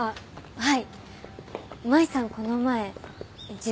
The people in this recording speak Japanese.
はい。